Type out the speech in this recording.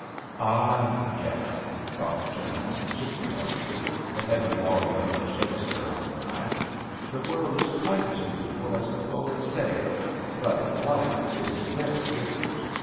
Ah ! yes," thought Joan, shifting a little the heavy volume of Shakespeare on her lap, "the world is quite as beautiful as the poets say, but life is very different.